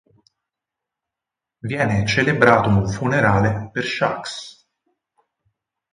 Viene celebrato un funerale per Shaxs.